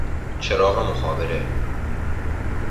چراغ مخابره